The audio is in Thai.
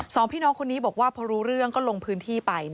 สองพี่น้องคนนี้บอกว่าพอรู้เรื่องก็ลงพื้นที่ไป